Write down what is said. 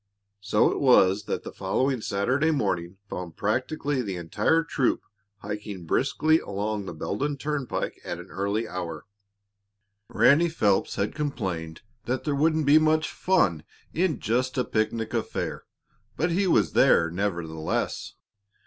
So it was that the following Saturday morning found practically the entire troop hiking briskly along the Beldon Turnpike at an early hour. Ranny Phelps had complained that there wouldn't be much fun in just a picnic affair, but he was there, nevertheless.